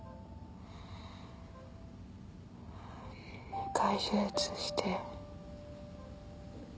２回手術して。